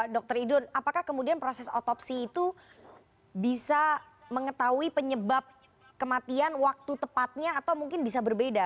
dr idun apakah kemudian proses otopsi itu bisa mengetahui penyebab kematian waktu tepatnya atau mungkin bisa berbeda